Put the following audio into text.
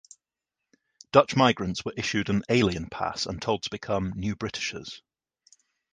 Dutch migrants were issued an ‘Alien Pass’ and told to become ‘New Britishers’.